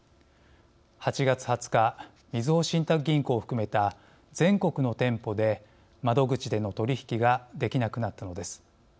８月２０日みずほ信託銀行を含めた全国の店舗で窓口での取り引きができなくなったのです。